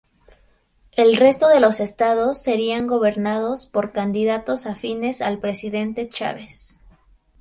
El resto de los estados serían gobernados por candidatos afines al Presidente Chávez.